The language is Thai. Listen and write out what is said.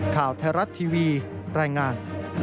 ข่าวแทรรัสทีวีแรงงาน